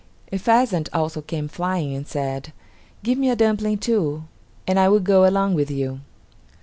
A pheasant also came flying and said, "Give me a dumpling too, and I will go along with you."